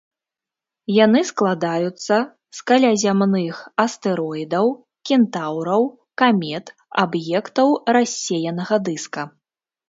Яны складаюцца з калязямных астэроідаў, кентаўраў, камет, аб'ектаў рассеянага дыска.